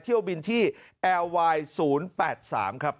เที่ยวบินที่แอร์ไวน์๐๘๓ครับ